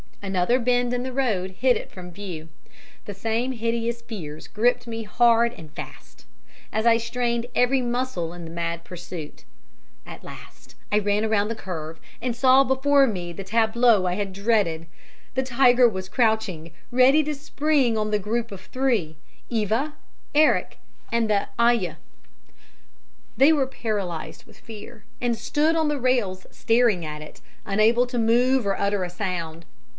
Another bend in the road hid it from view. The same hideous fears gripped me hard and fast, as I strained every muscle in the mad pursuit. At last I ran round the curve, and saw before me the tableau I had dreaded. The tiger was crouching, ready to spring on the group of three Eva, Eric and the ayah. They were paralysed with fear, and stood on the rails staring at it, unable to move or utter a sound.